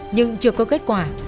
nhưng chưa có kết quả